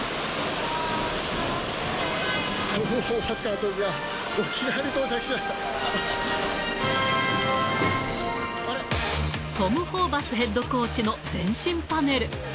トム・ホーバス監督が沖縄にトム・ホーバスヘッドコーチの全身パネル。